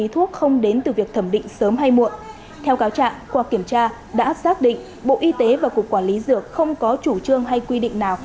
theo cáo trạng qua kiểm tra đã xác định bộ y tế và cục quản lý dược không có chủ trương hay quy định nào